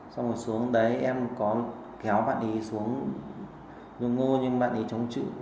xong rồi xuống đấy em có kéo bạn ấy xuống ngô ngô nhưng bạn ấy chống chữ